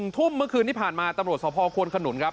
ทุ่มเมื่อคืนที่ผ่านมาตำรวจสภควนขนุนครับ